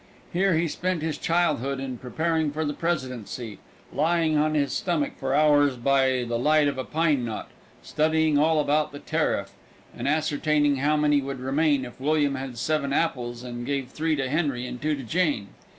Here he spent his childhood in preparing for the presidency, lying on his stomach for hours by the light of a pine knot, studying all about the tariff, and ascertaining how many would remain if William had seven apples and gave three to Henry and two to Jane.